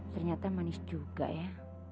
ternyata manis juga ya